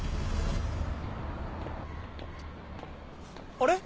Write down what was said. あれ？